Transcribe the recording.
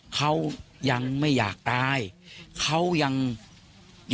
คุณสังเงียมต้องตายแล้วคุณสังเงียม